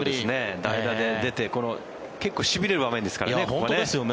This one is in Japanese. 代打で出て結構しびれる場面ですからね。